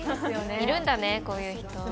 いるんだね、こういう人。